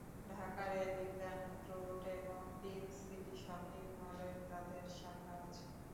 ঢাকার elephant road এবং pink city shopping মলে তাদের শাখা আছে।